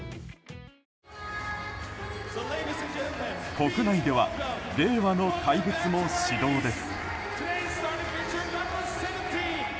国内では令和の怪物も始動です。